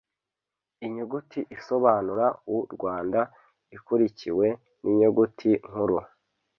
Inyuguti isobanura uRwanda ikurikiwe ninyuguti nkuru